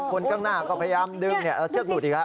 คนข้างหน้าก็พยายามดึงเอาเชือกหลุดอีก